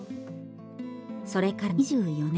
それから２４年。